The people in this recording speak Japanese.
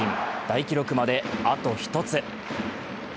大記録まであと１つ。